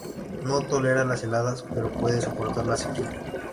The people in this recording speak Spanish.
No tolera las heladas, pero puede soportar la sequía.